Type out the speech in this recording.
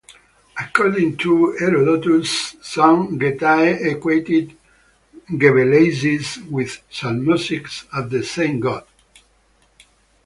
According to Herodotus, some Getae equated Gebeleizis with Zalmoxis as the same god.